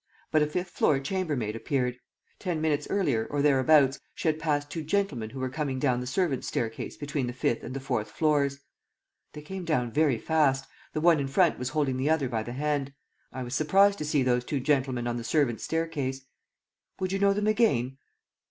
But a fifth floor chambermaid appeared. Ten minutes earlier, or thereabouts, she had passed two gentlemen who were coming down the servants' staircase between the fifth and the fourth floors. "They came down very fast. The one in front was holding the other by the hand. I was surprised to see those two gentlemen on the servants' staircase." "Would you know them again?"